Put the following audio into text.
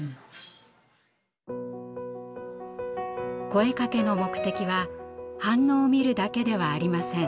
声かけの目的は反応を見るだけではありません。